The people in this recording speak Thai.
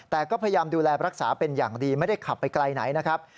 แต่ก็พยายามดูแลรักษาเป็นอย่างดีไม่ได้ขับไปไกลไหนนะครับ